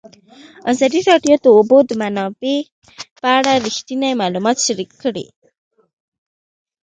ازادي راډیو د د اوبو منابع په اړه رښتیني معلومات شریک کړي.